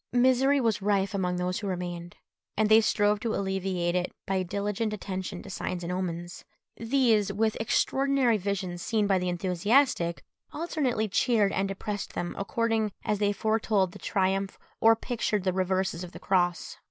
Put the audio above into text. Misery was rife among those who remained, and they strove to alleviate it by a diligent attention to signs and omens. These, with extraordinary visions seen by the enthusiastic, alternately cheered and depressed them according as they foretold the triumph or pictured the reverses of the cross.